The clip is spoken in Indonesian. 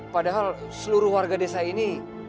padahal seluruh warga desa ini